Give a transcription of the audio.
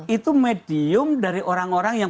itu medium dari orang orang yang